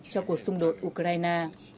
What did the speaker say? cho cuộc xung đột ukraine